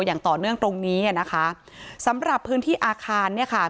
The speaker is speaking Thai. อย่างต่อเนื่องตรงนี้อ่ะนะคะสำหรับพื้นที่อาคารเนี่ยค่ะ